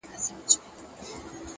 ما د زنده گۍ هره نامه ورته ډالۍ كړله.!